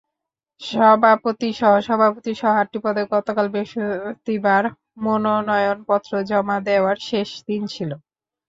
সভাপতি, সহসভাপতিসহ আটটি পদে গতকাল বৃহস্পতিবার মনোনয়নপত্র জমা দেওয়ার শেষ দিন ছিল।